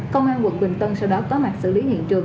công an quận bình tân sau đó có mặt xử lý hiện trường